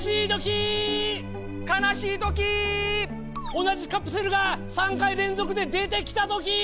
同じカプセルが３回連続で出てきたときー！